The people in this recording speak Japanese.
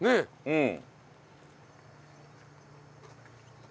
うん。